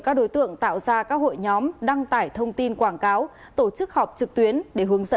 xin mời chị hồng nhung